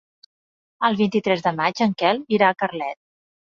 El vint-i-tres de maig en Quel irà a Carlet.